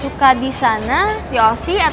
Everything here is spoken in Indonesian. aku akan cari jalan keluar